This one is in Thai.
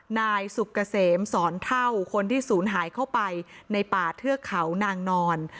นายสุกเกษมสอนเท่าคนที่ศูนย์หายเข้าไปในป่าเทือกเขานางนอน